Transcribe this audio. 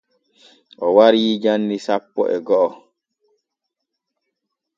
O warii janni sappo e go’o.